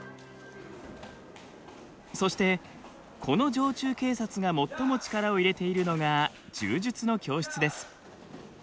そしてこの常駐警察が最も力を入れているのが柔術の教室です。